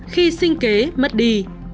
khi sinh kế mất đi